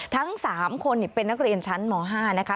ทั้ง๓คนเป็นนักเรียนชั้นม๕นะคะ